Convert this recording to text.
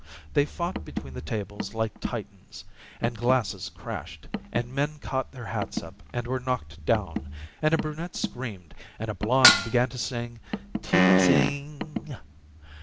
They fought between the tables like Titans, and glasses crashed, and men caught their hats up and were knocked down, and a brunette screamed, and a blonde began to sing "Teasing."